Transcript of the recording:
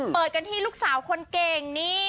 เปิดกันที่ลูกสาวคนเก่งนี่